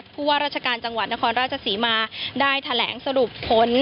ผู้ว่าราชการจังหวัดนครราชศรีมาได้แถลงสรุปผล